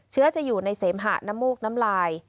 จะอยู่ในเสมหะน้ำมูกน้ำลาย